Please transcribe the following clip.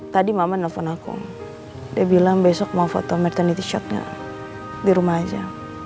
tadi mama nelfon aku dia bilang besok mau foto mertenity shotnya di rumah aja